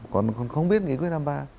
còn không biết nghị quyết thăm ba